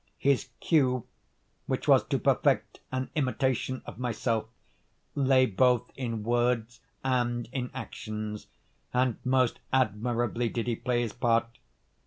His cue, which was to perfect an imitation of myself, lay both in words and in actions; and most admirably did he play his part.